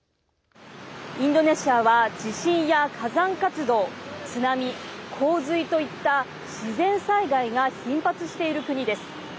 インドネシアは地震や火山活動津波、洪水といった自然災害が頻発している国です。